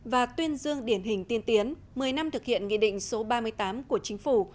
và tuyên dương điển hình tiên tiến một mươi năm thực hiện nghị định số ba mươi tám của chính phủ